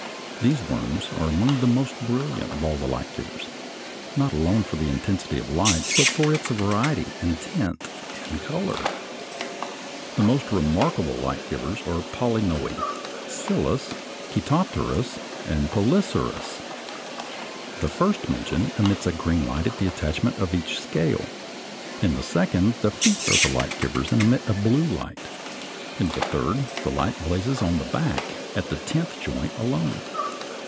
These worms are among the most brilliant of all light givers; not alone for the intensity of light, but for its variety in tint and color. The most remarkable light givers are Polynoë, Syllis, Chætopterus, and Polycirrus. The first mentioned emits a green light at the attachment of each scale. In the second the feet are light givers and emit a blue light. In the third the light blazes on the back at the tenth joint alone.